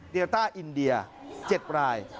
โยต้าอินเดีย๗ราย